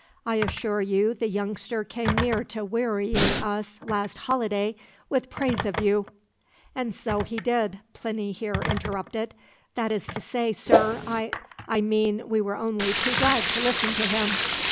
I assure you the youngster came near to wearying us, last holiday, with praise of you.'" "And so he did," Plinny here interrupted. "That is to say, sir I I mean we were only too glad to listen to him."